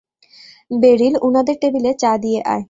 Beryl, উনাদের টেবিলে চা দিয়ে আয়।